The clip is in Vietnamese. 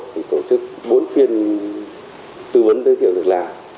thì tổ chức bốn phiên tư vấn giới thiệu việc làm